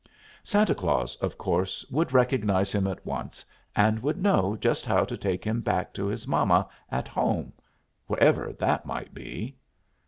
Santa Claus, of course, would recognize him at once, and would know just how to take him back to his mama at home wherever that might be.